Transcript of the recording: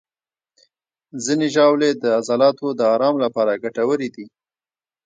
ځینې ژاولې د عضلاتو د آرام لپاره ګټورې دي.